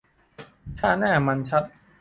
ถ้าหน้ามันชัด